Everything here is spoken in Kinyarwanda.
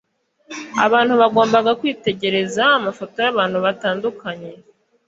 Aba bantu bagombaga kwitegereza amafoto y’abantu batandukanye